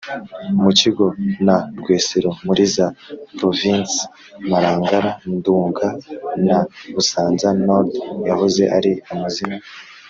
mukingo, na rwesero, muri za provinsi marangara, nduga na busanza – nord, yahoze ari amazina